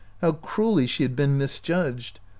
How cruelly she had been mis judged